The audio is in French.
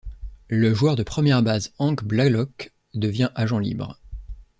Le joueur de première base Hank Blalock devient agent libre.